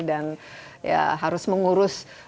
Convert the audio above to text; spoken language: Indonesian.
dan ya harus mengurus